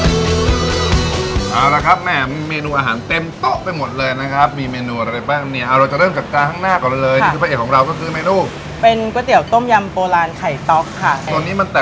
เอาละครับแม่เมนูอาหารเต็มต้อกไปหมดเลยนะครับ